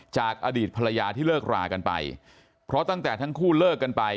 จากอดีตภรรยาที่เลิกรากันไปเพราะตั้งแต่ทั้งคู่เลิกกันไป